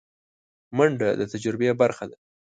منډه د تجربې برخه ده